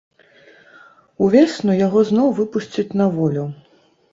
Увесну яго зноў выпусцяць на волю.